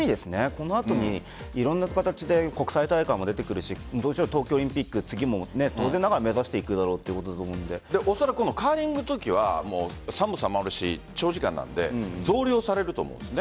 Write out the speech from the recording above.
この後に、いろんな形で国際大会も出てくるしオリンピック当然ながらおそらくカーリングのときは寒さもあるし、長時間なので増量されると思うんです。